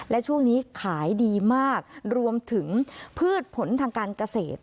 และช่วงนี้ขายดีมากรวมถึงพืชผลทางการเกษตร